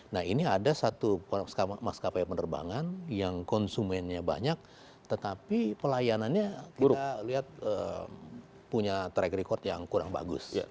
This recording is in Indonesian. nah ini ada satu maskapai penerbangan yang konsumennya banyak tetapi pelayanannya kita lihat punya track record yang kurang bagus